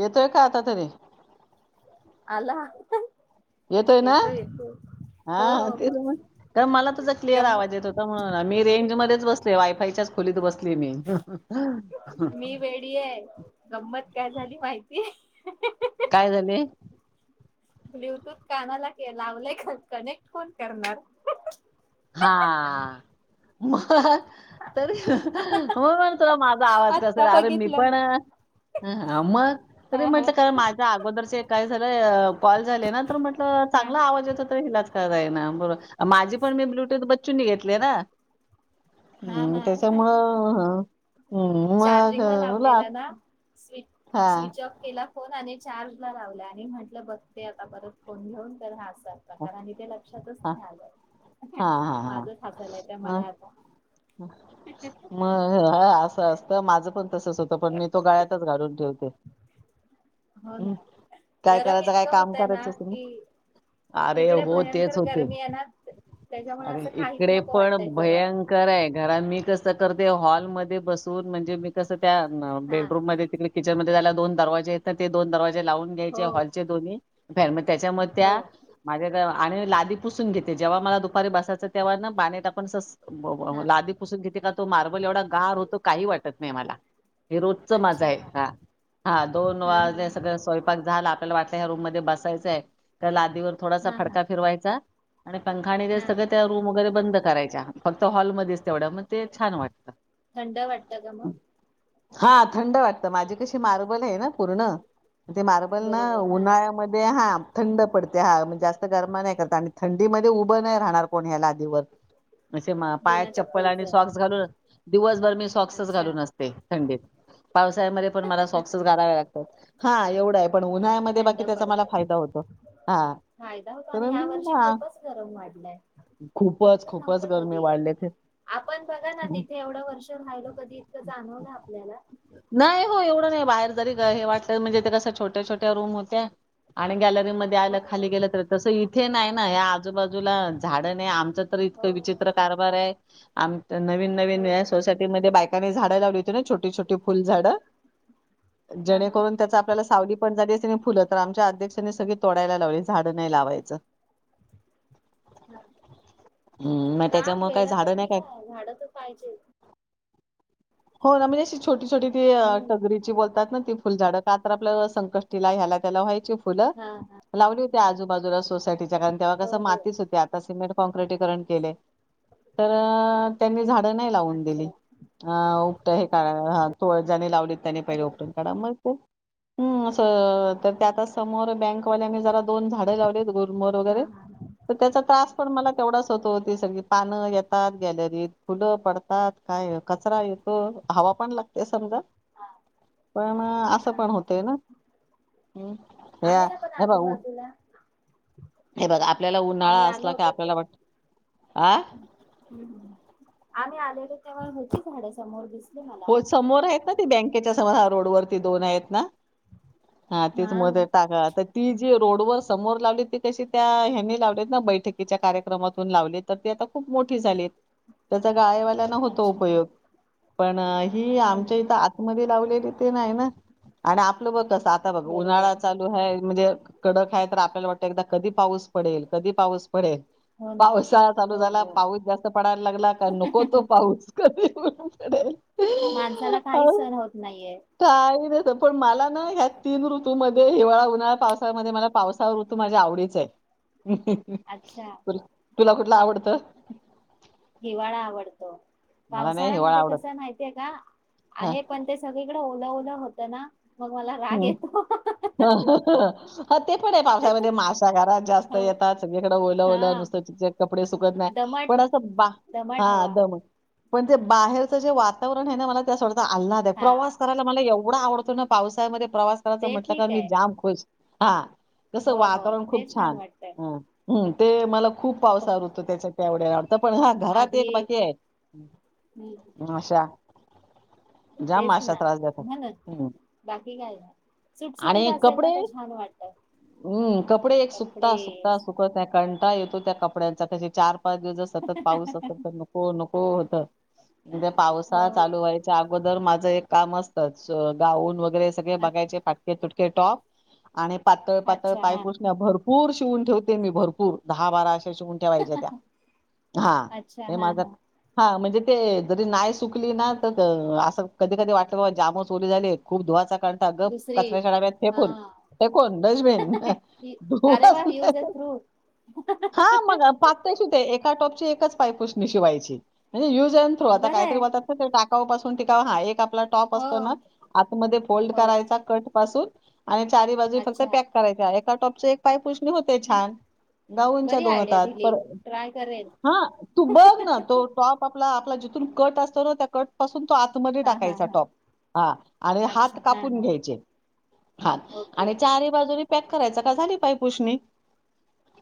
येतोय का आता तरी? आला. येतोय ना येतो येतो हा हो हो ते मला तुझ क्लिअर गंम आवाज येत होता म्हणून मी रेंज मध्येच बसते वायफायच्याच खोलीत बसले. मी मी वेडी आहे. गंमत काय झाली माहितीय? काय झाले? ब्लुटूथ कानाला लावलंय का कनेक्ट कोण करणार? हा! मग तरी मग म्हणतो माझा आवाज कस आत्ता आहे अरे मी बघितलं पण.. मग तरी हा हा म्हटलं ख माझ्या अगोदरचे काय कॉल झाले ना तर म्हटल चांगला आवाज येत होता इलाच ततर आहे ना माझी पण मी ब्लूटूथ बच्चू ने घेतलंय ना. हा हा हम्म हा त्याच्यामुळं हम् चार्जिंगला मगला लावलेला ना स्विच स्विच ऑफ केली. [inaudible] फोन चार्जला लावलंय आणि म्हट बघते आता, परत फोन घेऊन तर हा आसा कारण ते लक्षातच हा नाही आलं, हाय ना, हा हा हा माझच हासायला येतंय मला मग आता. मग हा असं त असतं माझं पण तसच होत पण मी तो गळ्यातच घालून ठेवते. हो ना उ काय गरम करायच काय इतकं काम होतय करायच असेल ना, की अरे इकडे हो, भयंकर तेच होतय, गरमी आहे ना त्याच्यामुळे अरे असं काहीच इकडे नको पण वाटतंय जवळ भयंक घर आणि मी कस कर ते हॉलमध्येध्ये बसून म्हणजे मी कसं, त्या हा बेडरूम मध्ये तिकडे किचन मध्ये जायला दोन दरवाजे आहेत ना, ते दोन दरवाजे लावून घ्यायचे हो हॉलचे दोन्ही [unintelligible] त्याच्यामुळे हो त्या माझ्या आणि लादी पुसून घेते जेव्हा मला दुपारी बसायचं तेव्हा ना पाणी टाकून असं बरोबर, हा लादी पुसून घेते का तो मार्बल एवढा गार होतो काही वाटत नाही मला. हे रोजच माझं अच्छा आहे. हा हा दोन हा हा वाजले, हा सगळ स्वयंपाक झालं आपल्याला वाटलं ह्या रूम मध्ये बसायचंय तर लाद वर थोडासा हा हा फडका फिरवायचा आणि पंखा आणि ते हा सगळं त्या रूम वगैरे बंद करायच्या. फक्त हॉलमध्येच तेवढ मग ते छान वाटत. थंड वाटतं का मग हात थंड वाटत. माझी कशी मार्बल आहे ना पूर्ण, ते मार्बल ना, बरोबर हा उन्हाळ्यामध्ये हा थंड पडते. हा म जास्त गरमा नाही करत आणि थंडीमध्ये उभं नाही राहणार कोण या लादीवर. असे मा पायात बिना चप्पल आणि चप्पलचं सॉक्स घालून दिवसभर मी सॉक्सच अच्छा घालून असते थंडीत, पावसाळ्यामध्ये पण मला सॉक्सच घालावे लागतात. हा एवढं आहे. पण उन्हाळ्यामध्ये थंड बाकी त्याचा मला पडतं फायदा होतो. हा फायदा होतो आणि तर ह्या मी वर्षी ना, खूपच खूपच खूप होत कधी, आपण बघा ना तिथे एवढं वर्ष राहिलो कधी जाणवल आपल्याला त नाही हो, एवढं नाही बाहेर जरी हे वाटलं, म्हणजे ते कस छोट्या छोट्या रूम होत्या आणि गॅल मध्ये हो आलं, खाली गेल तर कसं हि हे नाही ना या आजूबाजूला झाडं नाही, आम तर हो इतकं विचित्र कारभार आहे आम नवीन नवीन हो या ना सोसायटी मध्ये बाय मी झाडं लावली होती ना छोटी छोटी फुल झाड हा हा जेणेकरून त्याचा आपल्याला सावली पण झाली फुलं तर आमच्या अध्यक्षानी सगळे तोडायला लावली झाडं नाही लावायचं हा हम्म, मग काय त्याच्यामुळे काही वेडाच आहे झाडं कि नाही काय झाड तर पाहिजे हो ना मी सिच्युएशन छोट छोटी ते हम्म टगरीची बोलतात ना ते फुलझाड का तर आपलं संकष्टीला ह्याला त्याला व्हायची फुलं हा लावली हो ते आजूबाजूला सोसायटीच्या कारण तेव्हा हो कसं हो मातीच होती आता सिमेंट काँक्रिट केलं तर त्यांनी धातू धातूला नाही लावून अच्छा दिले हा तो ज्याने लावली त्याने पहिला ओपन काढा मग ते असं तर त्या समोर बँकवाल्यानी जरा दोन झाडे लावले गुलमोहर हा वगैरे हा तर त्याचा त्रास पण म तेवढच होतो ती सगळी पानं येतात गॅलरीत फुलं पडतात काय कचरा येतो हवा पण लागते समजा हा पण हा असं पण हा. होतय ना ह ह आहे ना पण हे बघ आजूबाजूला हे बघ आपल्याला उन्हाळा असला का आपल्याला वाटत ह् आम्ही आलेलो तेव्हा होती झाडे समोर दिसत हो समोर आहेत ना ते बँकेच्या समोर हा रोडवररती दोन आहेत ना हा हा तेच मध्ये टाकता ती जी रोड व समोर लावली ती कशी त्या ह्यांनी लावलेत ना बैठकीच्या कार्यक्रमातून लावले तर आता खूप मोठी झाली आहेत तर गायवाल्याना होतो अच्छा उपयोग ही हो ना आमच्या इथं आतमध्ये लावलेली ते नाही ना आणि आपलं बघ कस आता बघ उन्हाळा बरोबर चालू आहे म्हणजे कडक आहे तर आपल्याला वाटतं एकदा कधी पाऊस पडेल कधी पाऊस पडेल हो ना पावसाळा चालू हो झाला हो पाऊस जास्त पडायला लागला की नको तो पाऊस कधी ते माणसाला काहीच सण होत नाहीये काही नाही पण मला ना ह्या तीन ऋतूमध्ये हिवाळा उन्हाळा्, पाऊसाळ्या मला पावसाळा ऋतू माझ्या आवडीच आहे अच्छा तुला तुला कुठल आवडतं हिवाळा आवडतो मला नाही हिवाळा पावसाळ्यामध्ये कस आवडत माहितीये का हा आहे पण ते सगळीकडे ओल ओल होत ना मग मला [inaudible] राग येतो ह म ह ते पण पावसामध्ये माशा घरात जास्त हा येतात सगळीकडें ओलं ओलं हा नुसत कपडे सुकत नाही दमट पण असं बा दमट हा हवा दम पण ते बाहेरचं जे वातावरण आहे ना मला त्या आल्हाद हा प्रवास करायला मला एव एवढा आवडतो ना पाऊस त्यामध्ये प्रवास करायच ते म्हटलं का ठीक मी आहे जाम खुश हा तसं हो हो वातावरण खूप ते छान वाटतय अ हम् ते मला खूप पावसावर होतो त्याच्या त्यावढ्या तर पण हा घरात एक आधी बाकी आहेत माश्या जाम तेच माशा ना त्रास देतात, म्हणून हं. बाकी काय नाही. सुटसुटीत आणि असेल कपडे? ना तर छान वाटत हम्म. कपडे एक कपडे सुकवता सुकवता सुकत- कंटाळा येतो त्या कपड्यांचा. कसे चार- पाच दिवस जर सतत पाऊस असेल तर नको नको- हो होत. म्हणजे हो पावसाळा चालू व्हायच्या आगो - दर माझं एक काम आसतच गाऊन वगैरे- सगळे बघायचे फाटके तुट- के टॉप- आणि पातळ पातळ अच्छा हा पायपुसणं भरपूर शिवून ठेऊ- मी भरपूर दहा बारा- शिवून ठेवायेच्या त्या ह अच्छा हे हा माझ हा हा म्हनजे- ते जरी -नाही सुकली ना तर असं कधी कधी वाटलं जामच ओले झाले खूप धुवाच- ग दुसरी कचऱ्याच्या डब्यात हा फेकून. फेकून डस्बीन. ही- अरे वा यूज अँड [unintelligible] थ्रू हा मग ते एका टॉपची आतच पायपुसणी शिवायची. Use and throw. आता बरं आहे काहीतरी म्हणतात ना ते टाकाऊ पासून टिकाऊ. हां, हे एक आपलं आपला टॉप हो असतोना आत मध्ये हो करायचा कट पासून आणि चारी बाजू फक्त अच्छा पॅक करायच्या आहेत - त्या टॉपचे एक पायपूस - होतंय छान. गांऊनच्या बरी दोन आयडिया होतात. दिली ट्राय करेल ह. तू बघ ना तो टॉप आपला जिथून कट असतो ना, त्या कट पासून तो आतमध्ये हा हा टाकायचा हा टॉप. हा आणि हात अच्छा हा कापून हा घ्यायचे. हात ओके आणि चारी बाजूंनी रिपॅक करायचं, झाली पायपुसणी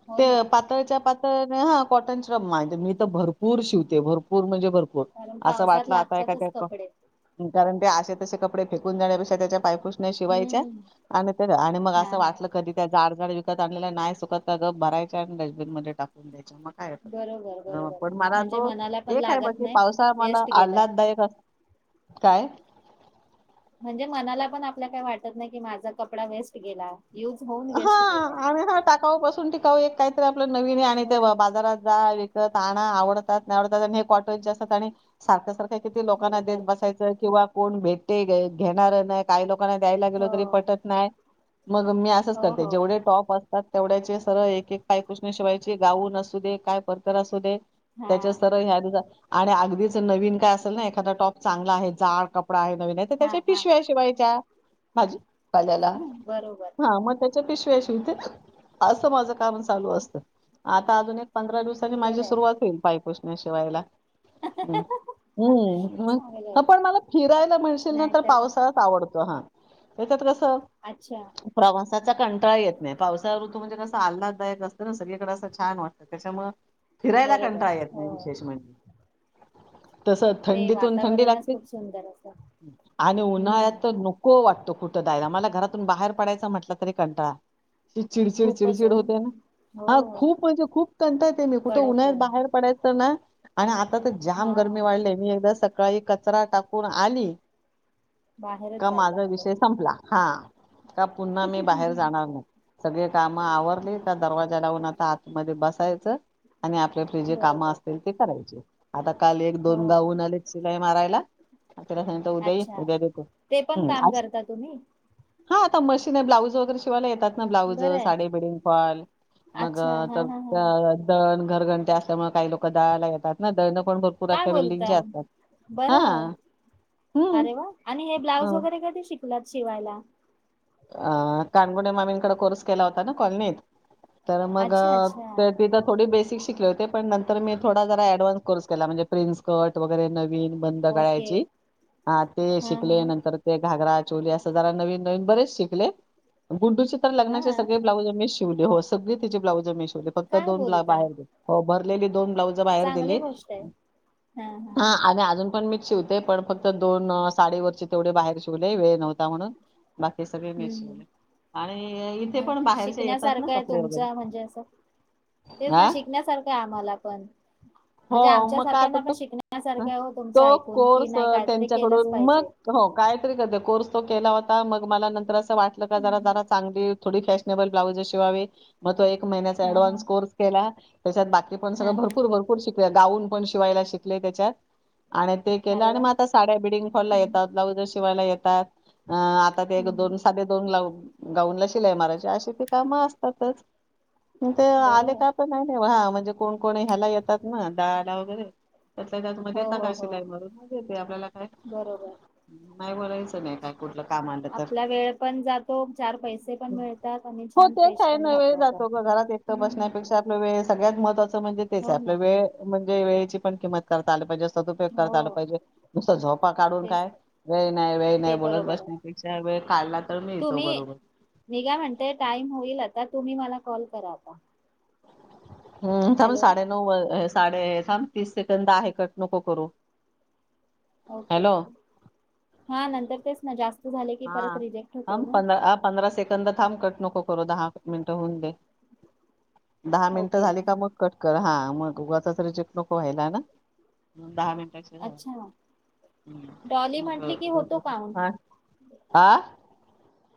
हो त ना पातळच्या पातळ हो ना हो कॉटनच्या [unintelligible] मी तर भरपूर शिवते. भरपूर पुर म्हणजे - भरपूर. कारण असं पावसात वाटल आता लागतातच कपडे एखाद्या [unintelligible] असे कपडे फेकून देण्यापेक्षा त्याच्या पाय पुसण्या शिवायच्या हम्म म आणि हा असं हा वाट कधी त्या जाड विकत आणलेला नाही सुखत का गप भरायच्या आणि डस्बिन मध्ये टाकून द्यायच्या. मग काय बरोबर बरोबर पण मला म्हणजे तो मनाला पण एक आहे लागत बाकी नाही पावसाळा मला वेस्ट गेलं आल्हाददायक असतो. काय? म्हणजे मनाला पण आपल्या काय वाटतं नाही की माझा कपडा वेस्ट गेला. युज होऊन हा वेस्ट गेलाय. कायतर आपलं आपलं नवीन आणि ते हो बाजारात जा विकत आवडतात नाही आवडतात हे कॉटनचे असतात आणि सारखं सारखं लोकना देत बरोबर बसायचं किंवा कोण भेटते घेणार नाही काय लोक दुकान द्यायला गेलो हो तरी पटत नाही मग मी हो असं हो जेवढे टॉप त्यात तेवढ्याचे सरळ एक एक पाय पुसनी शिवायचे गाऊन असू दे काय ते परकर असू दे. हा त्याच्या तरळ ह्या. आणि अगदीच नवीन काय असेल ना एखादा टॉप चांगला आहे जाड कप प्राय नवीन आहे तर हा त्याच्या हा पिशव्या शिवायच्या. हाजी. आलेला बरोबर हा म त्याचे. पिशव्या शिवते असं माझं काम. चालू असत आता अजून एक पंधरा दिवसानी माझी बरं आहे सुरुवात होईल पायपुुसण्याशिवायला हम्म चांगलंय पण मला फिरायला मिळशील ना तर नाहीतर का पावसाळच आवडतो हा. त्याच्यात कस. कस अच्छा प्रवास. हा कंंटाळा येत नाही. पावसा ऋतू म्हणे कस आलाददायक असत. तर सगळीकडें असं छान वाटतं त्याच्यामुळ फिरायला बरोबर कंटाळा येत हो नाही विशेष म्हणजे. तस ते थंडीतून थंडी वातावरणच लागते खूप सुंदर असत आणि उन्हाळ्यात हम्म तर नको वाटत. तो कुठ दायला मला घरातून बाहेर पडाच म्हटल. तरी कंटाळा. चिडचिड खूपच चिडचिड हो होते ना हा हो खूप म्हणजे खूप कंंटाळते मी कुठे कडक उन्हात ऊन बाहेर पडायच. तुना. आणि आता तर जाम हा गरमी वाढलेय मी एकदा स सकाळी कचरा टाकून आली बाहेरच का जायला माझा नको विषय संपला हा का पुन्हा मी बाहेर जानाा नाही सगळी काम आवरले हम्म. का दरवाजा लावून आता मध्ये मधी बसायच. आणि आपल्यापली जे कामं बरोबर असतील ते करायचे. आता काल एक हो दोन गाहून आलेत शिलाय मारायला तिला सांगित उद्या ये अच्छा उद्या देते ते पण काम अस करता तुम्ही हा आता मशीन ब्लाऊज तो तर शिवाला येतात. ब्लाऊज बरं आहे साडी बिल्डिंग फॅल मग अच्छा हा हा हा तर दळन घरगंटी असल्यामुळे काही लोकं दळायला येतात ना दळन काय बोलता बर हा आहे हम्म अरे वा आणि हे अ, ब्लाऊज वगैरे कधी शिकलात शिवायला. अ काणगुणे मामींकडे कोर्स केला होता ना कॉलनीत तर मग अच्छा अच्छा तिथं थोडी बेसिक शिकले होते पणंतर मी थोडा जरा ऍडव्हान्स कोर्स केला म्हणजे प्रिन्सकट वगैरे नवीन बंद ओके कयची ते हा शिकले हा नंतर ते घागरा चोली अस हजार नवीन नवीन बरच शिकले. गुड्डू चे तर हा लग्नाचे सळे ब्लाउज मीच शी सगळे तीचे ब्लाऊज मी शी [unintelligible] [unintelligible] काय दोन बोलता ब्लाउज बाहेर चांगली दिले गोष्ट आहे हा आणि अजून पण मी शिवते पण फक्त दोन साडीवररचे तेवढे बाहेर शिवले वेळ नव्हता म्हणून बाकी सगळे मीच शिवले आणि इथे हम् पण बाहेरचे येतात ना शिकण्यासारखं आहे कपडे वगैरे तुमचं म्हणजे असं तेच ना हा शिकण्यासारखं आम्हाला पण हो म्हणजे आमच्या मग काय सारख्यांना त पण शिकण्यासारखं आहे हो तुमचं तो ऐकून की कोर्स नाही काहीतरी केलंच त्यांच्याकडून पाहिजे मग हो कायतरी कध तो केला होता मग मला नंतर वाटलं का जरा ज चांगली थोडी फॅ ल ब्लाउज शिवावी मग तो एक महिन्याचा हा हा अडवान्स कोर्स केला त्याच्यात बाकी ते पण हा सगळ हा भरपूर भ शिक गाऊन पण शिवायला शिकले त्याच्यात आणि ते केलं अरे आणि वा मग आता साड्या बिडिंग फॉरला हम्म येतात ब्लाउजर शिवायला येत ताच. अ आता. ते हम्म दोन साधे दोन ला गाऊनलां. शिलाई मराची अशी काम असतातच. ते बरं आले आहे का पण नाही हा. म्हणजे कोण को ह्याला. घालतात ना डालडा वगैरे. त्यातल्या त्यात. हो देता हो का हो शिलाई मरून मग देतोय. आपल्याला काय बरोबर नाही म्हणायचं नाही. काय कुठलं काम आलं तर! आपला वेळ पण जातो चार पैसे पण मिळतात आणि हो छान ते फ्रेश काय पण ना वेळ राहतो आपण जातो. ग घरात एकट हम्म बसण्यापेक्षा आपला वेळ. सगळ्यात महत्त्वाचं. म्हणजे हो तेच्यात. ना वेळ म्हणजे. वेळेची पण किंमत करता आल पाहिजे. सदउपयोग हो करता आला पाहिजे. नुसता झोपा काढून तेच काय वेळ नाही वेळ नाही. ते बोलत बरोबर आहे बसण्यापेक्षा वेळ काढला तर मिळतो तुम्ही बरोबर. मी काय म्हणते टाइम होईल आता तुम्ही मला कॉल करा आता. [unintelligible] हम्म थांब हॅलो साडे नऊ वाज साडेसात-तीस सेकंद आहेत. कट नको करू. ओके. हॅलो हा नंतर. तर तेच ना जास्त झाले की परत हां रिजेक्ट होतोय ना थांब आ पंधरा सेकंड थांब कट नको करू दहा मिनटं होऊन दे. दहा मिनिटं ओके झाली का ओके मग कट कर हां. मग उगाचच रिजेक्ट नको व्हायला ना? दहा मिनटाचे अच्छा डॉली म्हटली की होतो काउंट [unintelligible] मग [unintelligible] आ?